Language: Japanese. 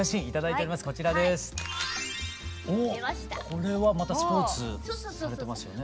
これはまたスポーツされてますよね。